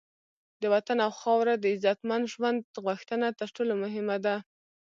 د وطن او خاوره د عزتمند ژوند غوښتنه تر ټولو مهمه ده.